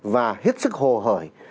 và hết sức hồ hởi